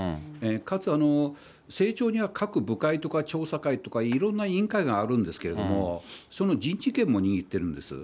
かつ政調には各部会とか調査会とか、いろんな委員会があるんですけれども、その人事権も握ってるんです。